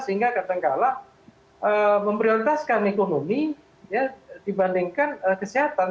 sehingga kadangkala memprioritaskan ekonomi dibandingkan kesehatan